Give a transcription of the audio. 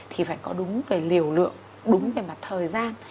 thì phải có đúng cái liều lượng đúng cái mặt thời gian